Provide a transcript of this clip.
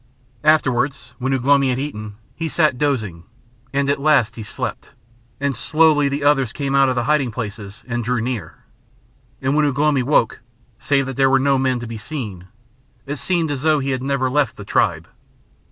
Afterwards, when Ugh lomi had eaten, he sat dozing, and at last he slept, and slowly the others came out of the hiding places and drew near. And when Ugh lomi woke, save that there were no men to be seen, it seemed as though he had never left the tribe.